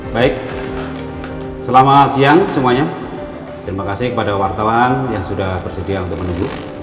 baik selamat siang semuanya terima kasih kepada wartawan yang sudah bersedia untuk menunggu